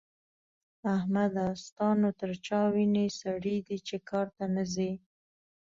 احمده! ستا نو تر چا وينې سرې دي چې کار ته نه ځې؟